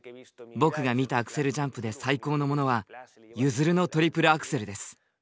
僕が見たアクセルジャンプで最高のものはユヅルのトリプルアクセルです。